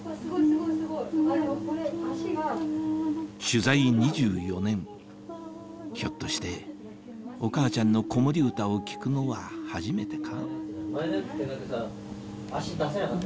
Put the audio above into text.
取材２４年ひょっとしてお母ちゃんの子守歌を聞くのは初めてか？